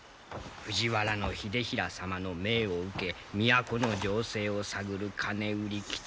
藤原秀衡様の命を受け都の情勢を探る金売り吉次殿と。